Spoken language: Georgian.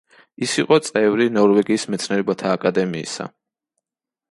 ის იყო წევრი ნორვეგიის მეცნიერებათა აკადემიისა.